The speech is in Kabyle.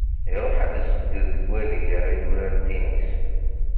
Iṛuḥ ad d-iseyyed deg wadeg ara yurar tinis.